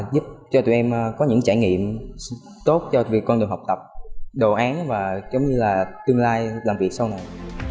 giúp cho tụi em có những trải nghiệm tốt cho việc con đường học tập đồ án và tương lai làm việc sau này